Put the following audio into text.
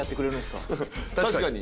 確かに。